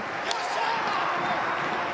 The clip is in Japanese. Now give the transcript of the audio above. よっしゃー！